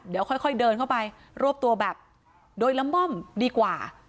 เดี๋ยวค่อยเดินเข้าไปรวบตัวแบบโดยละม่อมดีกว่า